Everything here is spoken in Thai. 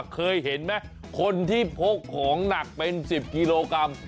เคยเห็นไหมคนที่พกของหนักเป็น๑๐กิโลกรัม